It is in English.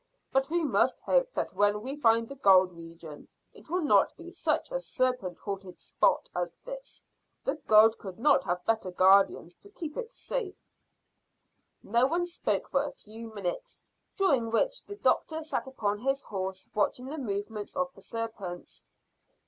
But we must hope that when we find the gold region, it will not be such a serpent haunted spot as this; the gold could not have better guardians to keep it safe." No one spoke for a few minutes, during which the doctor sat upon his horse watching the movements of the serpents.